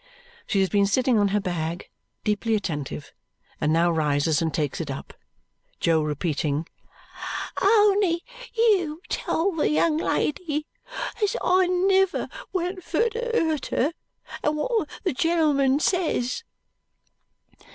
She has been sitting on her bag, deeply attentive, and now rises and takes it up. Jo, repeating, "Ony you tell the young lady as I never went fur to hurt her and wot the genlmn ses!"